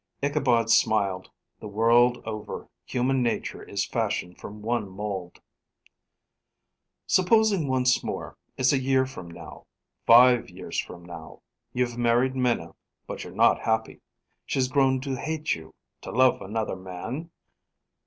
Ichabod smiled. The world over, human nature is fashioned from one mould. "Supposing, once more, it's a year from now, five years from now. You've married Minna, but you're not happy. She's grown to hate you, to love another man?"